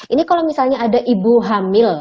ini kalau misalnya ada ibu hamil